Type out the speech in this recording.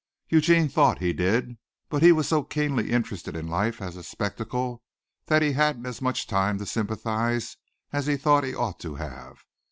Eugene thought he did, but he was so keenly interested in life as a spectacle that he hadn't as much time to sympathize as he thought he ought to have.